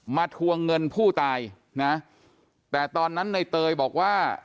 ทวงเงินผู้ตายนะแต่ตอนนั้นในเตยบอกว่า